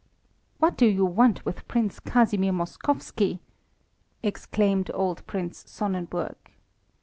"What do you want with Prince Casimir Moskowski?" exclaimed old Prince Sonnenburg.